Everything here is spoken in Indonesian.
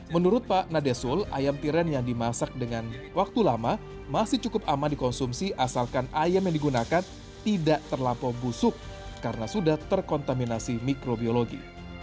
menurut pak nadesul ayam tiren yang dimasak dengan waktu lama masih cukup aman dikonsumsi asalkan ayam yang digunakan tidak terlampau busuk karena sudah terkontaminasi mikrobiologi